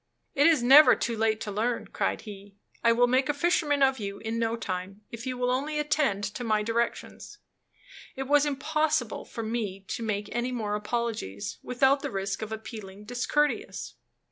"It is never too late to learn," cried he. "I will make a fisherman of you in no time, if you will only attend to my directions." It was impossible for me to make any more apologies, without the risk of appealing discourteous.